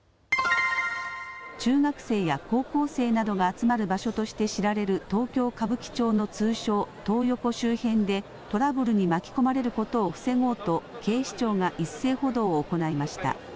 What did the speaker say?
中学生や高校生などが集まる場所として知られる東京歌舞伎町の通称トー横周辺でトラブルに巻き込まれることを防ごうと警視庁が一斉補導を行いました。